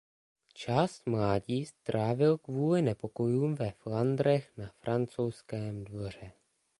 Část mládí strávil kvůli nepokojům ve Flandrech na francouzském dvoře.